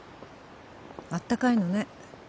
あったかいのね